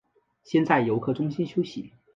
先在游客中心休息